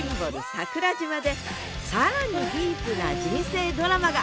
桜島で更にディープな人生ドラマが！